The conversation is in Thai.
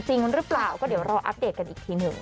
จริงหรือเปล่าก็เดี๋ยวรออัปเดตกันอีกทีหนึ่ง